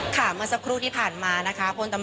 เมื่อสักครู่ที่ผ่านมานะคะ